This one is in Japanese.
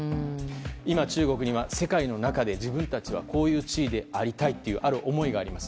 今、中国には世界の中で自分たちはこういう地位でありたいという思いがあります。